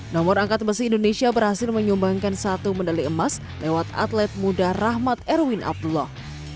nomor angkat besi indonesia berhasil menyumbangkan satu medali emas lewat atlet muda rahmat erwin abdullah